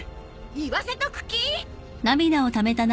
言わせとく気！？